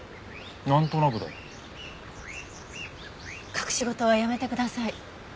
隠し事はやめてください。